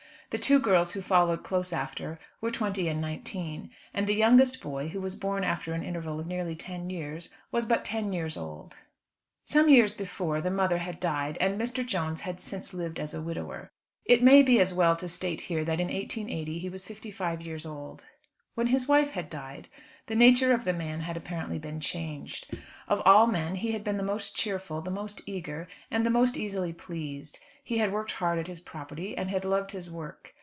The two girls who followed close after were twenty and nineteen, and the youngest boy, who was born after an interval of nearly ten years, was but ten years old. Some years after the mother had died, and Mr. Jones had since lived as a widower. It may be as well to state here that in 1880 he was fifty five years old. When his wife had died, the nature of the man had apparently been changed. Of all men he had been the most cheerful, the most eager, and the most easily pleased. He had worked hard at his property, and had loved his work.